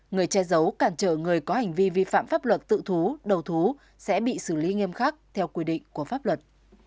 người che giấu cản trở người có hành vi vi phạm pháp luật tự thú đầu thú sẽ bị xử lý nghiêm khắc theo quy định của pháp luật